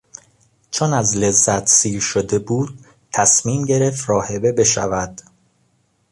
چون از لذت سیر شده بود تصمیم گرفت راهبه بشود.